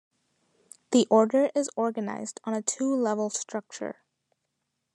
The order is organized on a two-level structure.